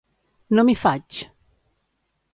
No m'hi faig!